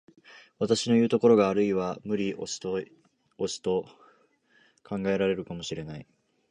私のいう所があるいは無理押しと考えられるかも知れない。